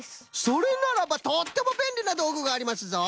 それならばとってもべんりなどうぐがありますぞ！